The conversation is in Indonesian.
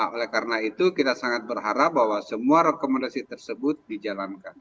oleh karena itu kita sangat berharap bahwa semua rekomendasi tersebut dijalankan